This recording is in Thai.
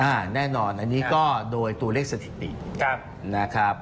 แน่นอนอันนี้ก็โดยตัวเลขสถิตินะครับ